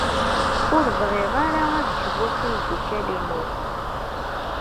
Ur bɣiɣ ara ad kbuɣ timeddukal-inu.